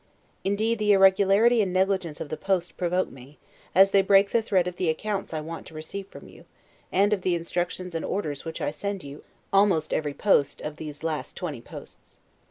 Indeed the irregularity and negligence of the post provoke me, as they break the thread of the accounts I want to receive from you, and of the instructions and orders which I send you, almost every post. Of these last twenty posts.